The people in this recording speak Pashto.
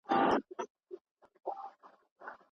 د ميرويس خان نيکه په پوځ کي کومو کسانو لوړې دندې لرلي؟